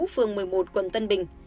phường một mươi một quận tân bình